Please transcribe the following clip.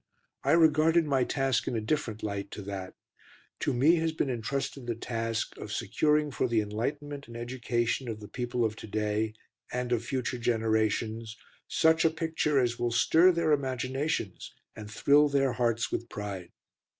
I regarded my task in a different light to that. To me has been entrusted the task of securing for the enlightenment and education of the people of to day, and of future generations, such a picture as will stir their imaginations and thrill their hearts with pride.